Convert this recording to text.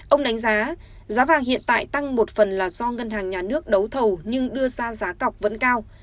ông đánh giá giá vàng hiện tại tăng một phần là do ngân hàng nhà nước đấu thầu nhưng đưa ra giá cọc vẫn cao